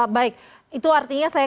baik itu artinya saya